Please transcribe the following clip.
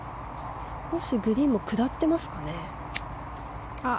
少しグリーンも下っていますかね。